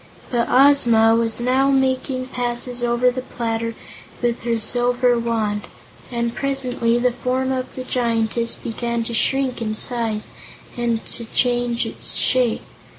But Ozma was now making passes over the platter with her silver Wand, and presently the form of the Giantess began to shrink in size and to change its shape.